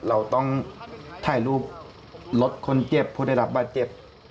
เราต้องถ่ายรูปรถคนเจ็บผู้ได้รับบาดเจ็บ